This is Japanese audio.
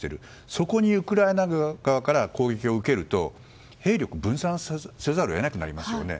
そこにウクライナ側から攻撃を受けると兵力を分散せざるを得なくなりますよね。